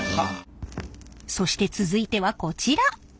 そして続いてはこちら！